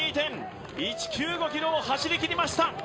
ｋｍを走りきりました。